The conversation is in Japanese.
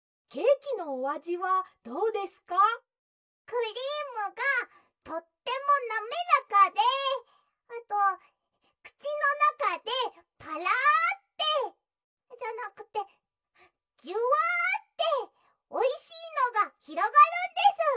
「クリームがとってもなめらかであとくちのなかでパラってじゃなくてジュワっておいしいのがひろがるんです」。